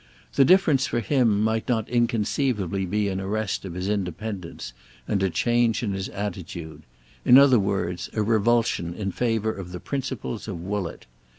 The difference for him might not inconceivably be an arrest of his independence and a change in his attitude—in other words a revulsion in favour of the principles of Woollett.